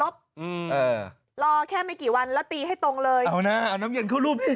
เสียเวลาไหม